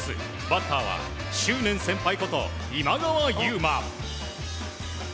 バッターは執念先輩こと今川優馬。